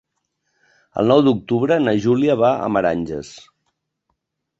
El nou d'octubre na Júlia va a Meranges.